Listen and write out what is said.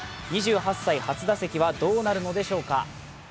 ２８歳初打席はどうなるのでしょうか。